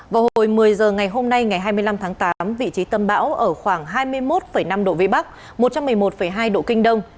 vào hồi một mươi h ngày hôm nay ngày hai mươi năm tháng tám vị trí tâm bão ở khoảng hai mươi một năm độ vĩ bắc một trăm một mươi một hai độ kinh đông